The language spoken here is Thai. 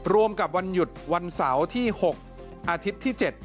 รวมกับวันหยุดวันเสาร์ที่๖อาทิตย์ที่๗